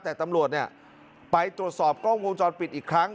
แต่ตำรวจเนี่ยไปตรวจสอบกล้องวงจรปิดอีกครั้ง